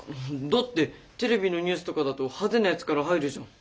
だってテレビのニュースとかだと派手なやつから入るじゃん。